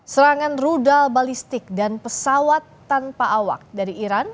serangan rudal balistik dan pesawat tanpa awak dari iran